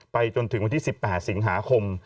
จนถึงวันที่๑๘สิงหาคม